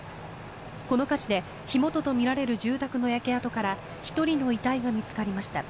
この火事で火元とみられる住宅の焼け跡から１人の遺体が見つかりました。